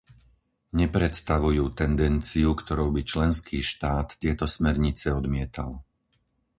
Nepredstavujú tendenciu, ktorou by členský štát tieto smernice odmietal.